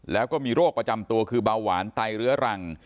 แล้วก็มีโรคประจำตัวคือเบาหวานไตเรื้อรัง